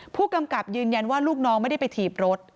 ผู้กำกับยืนยันว่าลูกน้องไม่ได้ไปถีบรถ